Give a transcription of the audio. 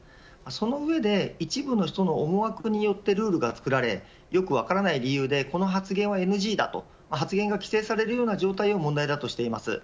その上で一部の人の思惑によってルールが作られよく分からない理由でこの発言はＮＧだと発言が規制される状態を問題だとしています。